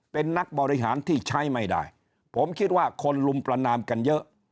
เป็นนักบริหารที่ใช้ไม่ได้ผมคิดว่าคนลุมประนามกันเยอะ